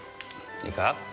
いいか？